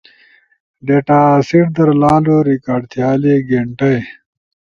ڈیتاسیٹ در لالو ریکارڈ تھیالے گینٹائی